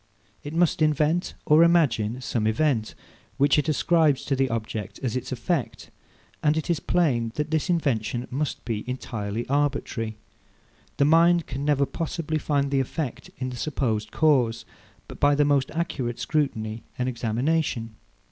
It must invent or imagine some event, which it ascribes to the object as its effect; and it is plain that this invention must be entirely arbitrary. The mind can never possibly find the effect in the supposed cause, by the most accurate scrutiny and examination.